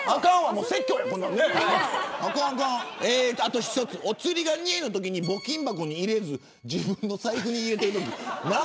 もう一つ、お釣りが２円のときに募金箱に入れず自分の財布に入れる。